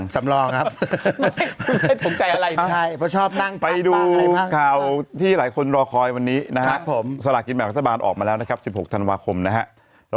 สำรองครับไปดูข่าวที่หลายคนรอคอยวันนี้นะครับสละกิจแบบกัศบาลออกมาแล้วนะครับ๑๖ธาลาวคมนะครับ